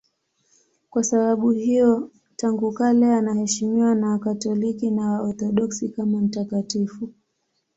Kwa sababu hiyo tangu kale anaheshimiwa na Wakatoliki na Waorthodoksi kama mtakatifu.